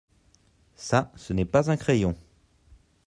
Ça ce n'est pas un crayon.